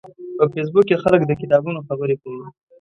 په فېسبوک کې خلک د کتابونو خبرې کوي